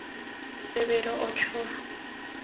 Severo Ochoa.